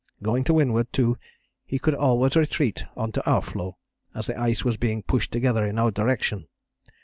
Going to windward, too, he could always retreat on to our floe, as the ice was being pushed together in our direction.